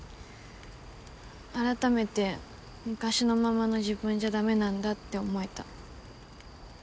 改めて昔のままの自分じゃダメなんだって思えた。